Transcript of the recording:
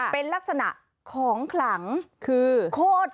เป็นลักษณะของขลังค้น